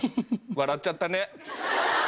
笑っちゃったね。